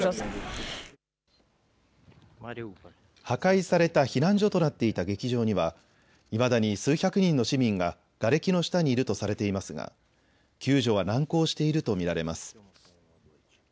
破壊された避難所となっていた劇場にはいまだに数百人の市民ががれきの下にいるとされていますが救助は難航していると見られます。